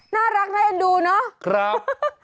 น่ารักให้เห็นดูเนอะฮึฮึฮึฮึครับ